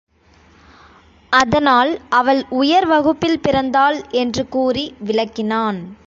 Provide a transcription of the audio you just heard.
அதனால் அவள் உயர் வகுப்பில் பிறந்தாள் என்று கூறி விளக்கினான்.